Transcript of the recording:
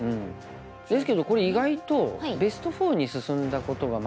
ですけどこれ意外とベスト４に進んだことがまだないっていうね。